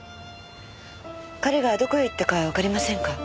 彼がどこへ行ったかわかりませんか？